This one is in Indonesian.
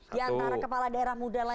di antara kepala daerah muda lain